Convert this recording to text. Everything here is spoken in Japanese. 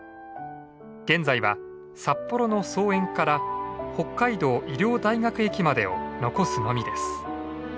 現在は札幌の桑園から北海道医療大学駅までを残すのみです。